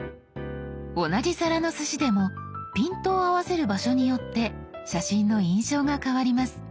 同じ皿のすしでもピントを合わせる場所によって写真の印象が変わります。